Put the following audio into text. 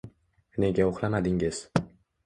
Nega uxlamadingiz?